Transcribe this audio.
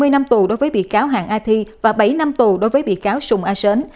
hai mươi năm tù đối với bị cáo hạng a thi và bảy năm tù đối với bị cáo sùng a sớn